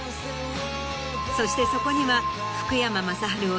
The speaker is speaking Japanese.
そしてそこには福山雅治を。